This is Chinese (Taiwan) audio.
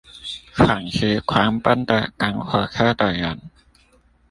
喘息狂奔的趕火車的人